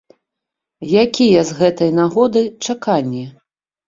Якія з гэтай нагоды чаканні?